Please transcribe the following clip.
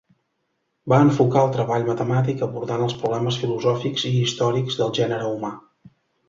Va enfocar el treball matemàtic abordant els problemes filosòfics i històrics del gènere humà.